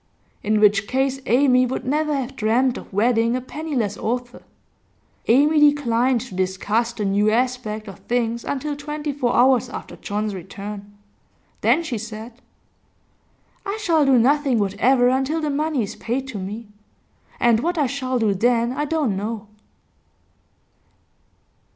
in which case Amy would never have dreamt of wedding a penniless author. Amy declined to discuss the new aspect of things until twenty four hours after John's return; then she said: 'I shall do nothing whatever until the money is paid to me. And what I shall do then I don't know.